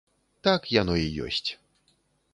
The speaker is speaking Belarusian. Так яно і ёсць.